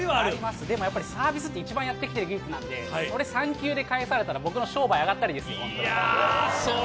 でもやっぱりサービスって一番やってきているので、それ３球で返されたら僕の商売あがったりですよ。